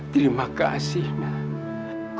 terima kasih nak